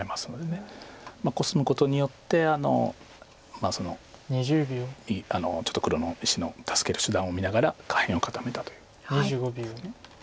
コスむことによってちょっと黒の石の助ける手段を見ながら下辺を固めたということです。